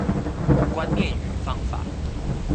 觀念與方法